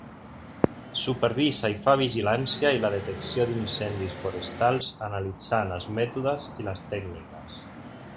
Supervisa i fa la vigilància i la detecció d'incendis forestals, analitzant els mètodes i les tècniques.